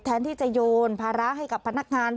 แทนที่จะโยนภาระให้กับพนักงาน